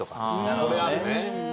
それあるね。